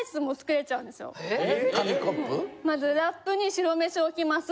まずラップに白飯置きます。